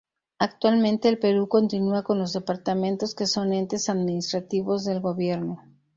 Actualmente el Perú continúa con los Departamentos, que son entes administrativos del gobierno.